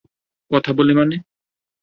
কথা বলে মানে?